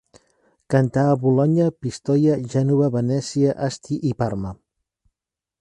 Cantà a Bolonya, Pistoia, Gènova, Venècia, Asti i Parma.